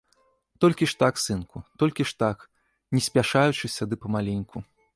Толькі ж так, сынку, толькі ж так, не спяшаючыся ды памаленьку.